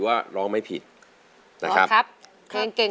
พรีมือ